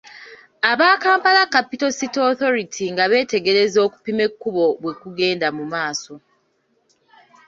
Aba Kampala Capital City Authority nga beetegereza okupima ekkubo bwe kugenda mu maaso.